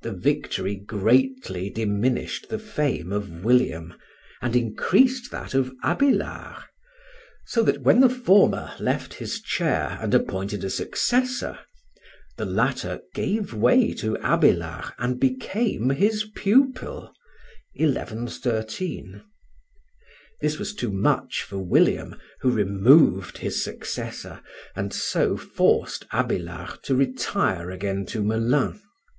This victory greatly diminished the fame of William, and increased that of Abélard; so that when the former left his chair and appointed a successor, the latter gave way to Abélard and became his pupil (1113). This was too much for William, who removed his successor, and so forced Abélard to retire again to Mélun.